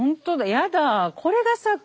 やだ。